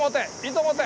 糸持て！